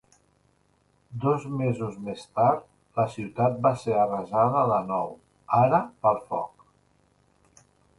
Dos mesos més tard, la ciutat va ser arrasada de nou, ara pel foc.